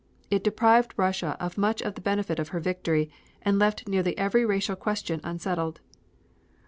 It deprived Russia of much of the benefit of her victory, and left nearly every racial question unsettled.